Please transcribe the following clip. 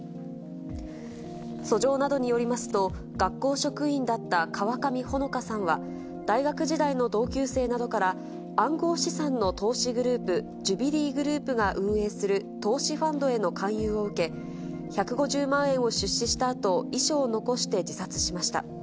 訴状などによりますと、学校職員だった川上穂野香さんは、大学時代の同級生などから、暗号資産の投資グループ、ジュビリーグループが運営する投資ファンドへの勧誘を受け、１５０万円を出資したあと、遺書を残して自殺しました。